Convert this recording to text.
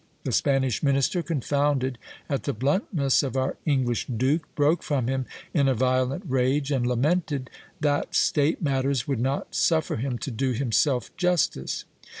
The Spanish minister, confounded at the bluntness of our English duke, broke from him in a violent rage, and lamented that state matters would not suffer him to do himself justice.